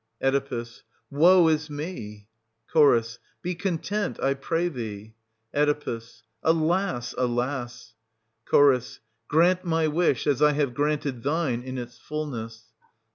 Oe. Woe is me ! Ch. Be content, I pray thee ! Oe. Alas, alas ! 520 Ch. Grant my wish, as I have granted thine in its fulness.